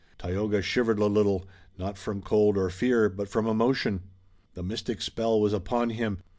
Tayoga shivered a little, not from cold or fear, but from emotion. The mystic spell was upon him.